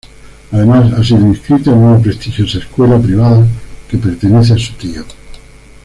Además, ha sido inscrito en una prestigiosa escuela privada que pertenece a su tío.